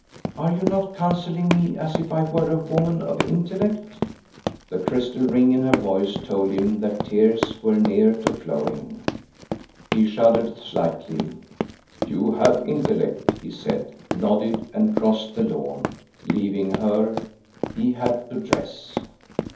"Are you not counselling me as if I were a woman of intellect?" The crystal ring in her voice told him that tears were near to flowing. He shuddered slightly. "You have intellect," he said, nodded, and crossed the lawn, leaving her. He had to dress.